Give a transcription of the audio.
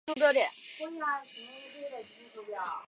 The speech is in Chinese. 与大家分享